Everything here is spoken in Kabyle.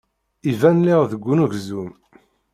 Iban lliɣ deg unezgum.